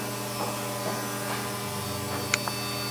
আমি তোর বাপ নাকি তুই আমার বাপ?